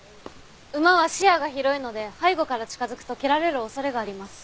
馬は視野が広いので背後から近づくと蹴られる恐れがあります。